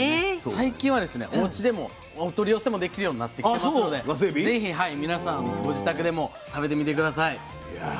最近はおうちでもお取り寄せもできるようになってきてますのでぜひ皆さんご自宅でも食べてみて下さい。